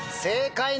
正解！